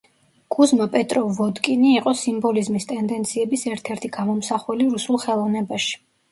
კუზმა პეტროვ-ვოდკინი იყო სიმბოლიზმის ტენდენციების ერთ-ერთი გამომსახველი რუსულ ხელოვნებაში.